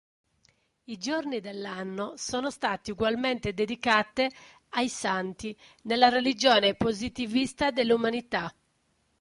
I giorni dell'anno sono stati ugualmente dedicate ai "santi" nella Religione Positivista dell'Umanità.